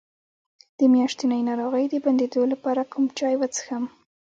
د میاشتنۍ ناروغۍ د بندیدو لپاره کوم چای وڅښم؟